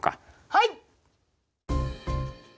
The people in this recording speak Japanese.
はい！